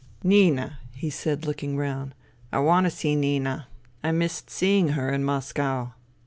" Nina," he said, looking round. " I want to see. Nina. I missed seeing her in Moscow."